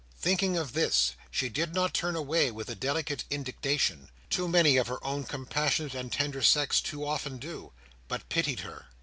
Thinking of this, she did not turn away with a delicate indignation—too many of her own compassionate and tender sex too often do—but pitied her.